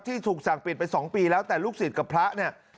ที่ถูกสั่งปิดไป๒ปีแล้วแต่ลูกศิษย์กับพระเนี่ย